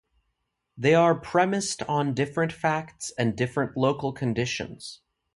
They are premised on different facts and different local conditions.